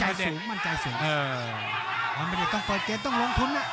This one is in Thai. จับปล๑๘๙๐ลงทุน